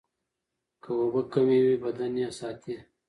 که اوبه کمې وي، بدن یې ساتي.